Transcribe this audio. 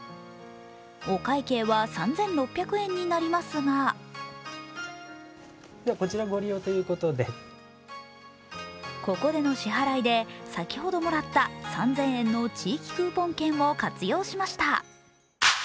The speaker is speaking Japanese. お会計は３６００円になりますがここでの支払いで、先ほどもらった３０００円の地域クーポン券を活用しました。